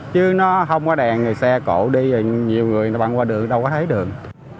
chứ nó không có đèn thì xe cộ đi nhiều người băng qua đường đâu có thấy đường